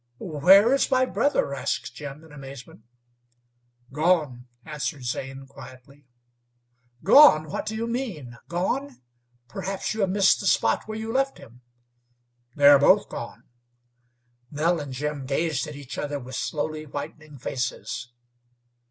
"Where is my brother?" asked Jim, in amazement. "Gone," answered Zane, quietly. "Gone! What do you mean? Gone? Perhaps you have missed the spot where you left him." "They're both gone." Nell and Jim gazed at each other with slowly whitening faces.